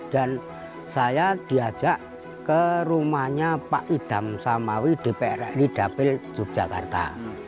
dan saya diajak ke rumahnya pak idham samawi dprk lidapil subjakarta